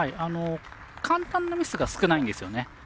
簡単なミスが少ないんですよね。